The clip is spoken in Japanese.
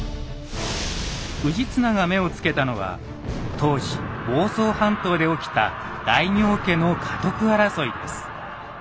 氏綱が目を付けたのは当時房総半島で起きた大名家の家督争いです。